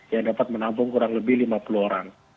yang dapat menampung kurang lebih lima puluh orang